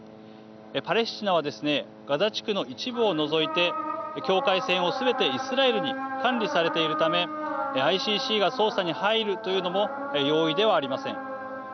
パレスチナはですねガザ地区の一部を除いて境界線をすべてイスラエルに管理されているためＩＣＣが捜査に入るというのも容易ではありません。